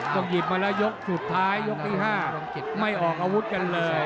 หยิบมาแล้วยกสุดท้ายยกที่๕ไม่ออกอาวุธกันเลย